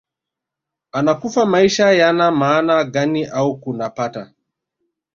anakufa maisha yana maana gani au tunapata